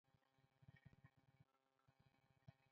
جنګ د ټولنې لپاره د فقر، کمزورتیا او ناراضۍ لامل کیږي.